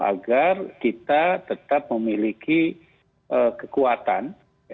agar kita tetap memiliki kekuatan